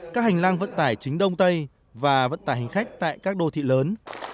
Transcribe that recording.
các hành lang vận tải chính đông tây và vận tải hành khách tại các đô thị lớn